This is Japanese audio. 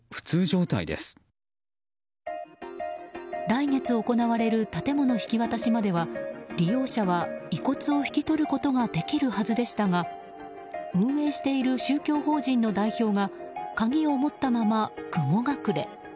来月行われる建物引き渡しまでは利用者は、遺骨を引き取ることができるはずでしたが運営している宗教法人の代表が鍵を持ったまま雲隠れ。